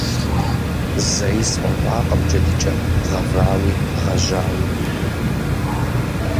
Зэи сфӏэфӏакъым джэдыкӏэр гъэвауи гъэжьауи.